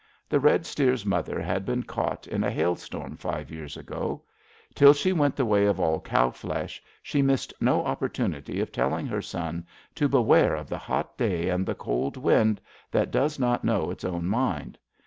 The red steer's mother had been caught in a hailstorm five years ago* Till she went the way of all cow flesh she missed no opportunity of telling her son to beware of the hot day and the cold wind that does not know its own mind.